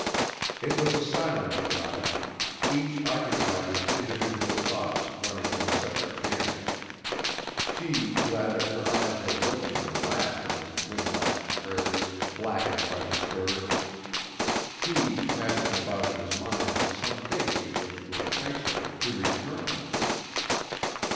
It was a silent drive; each occupied with individual thoughts running in separate channels; she glad that her eyes were looking their last on the wind lashed prairies blackened by the scourge; he casting about in his mind for some bait with which to entice her to return.